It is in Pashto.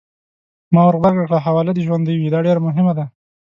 ما ورغبرګه کړل: حواله دې ژوندۍ وي! دا ډېره مهمه ده.